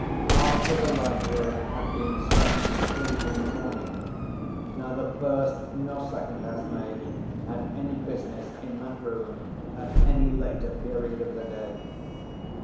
After the library had been swept and cleaned in the morning, neither first nor second housemaid had any business in that room at any later period of the day.